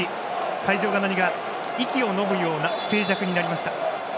会場が息をのむような静寂になりました。